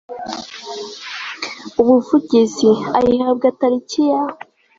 ubuvugizi ayihabwa tariki ya